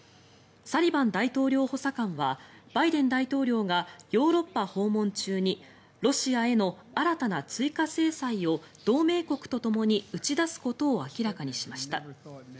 サリバン大統領補佐官はバイデン大統領がヨーロッパ訪問中にロシアへの新たな追加制裁を同盟国とともに打ち出すことを明らかにしました。